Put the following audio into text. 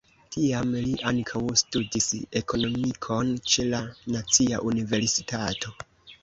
Tiam li ankaŭ studis Ekonomikon ĉe la Nacia Universitato.